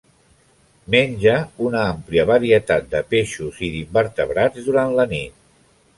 Menja una àmplia varietat de peixos i d'invertebrats durant la nit.